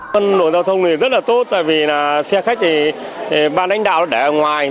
phân luận giao thông này rất là tốt tại vì xe khách thì ban đánh đạo để ở ngoài